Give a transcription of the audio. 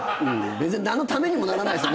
別に何のためにもならないですよ